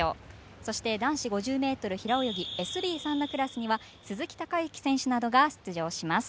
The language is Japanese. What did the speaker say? そして男子５０ｍ平泳ぎＳＢ３のクラスには鈴木孝幸選手などが出場します。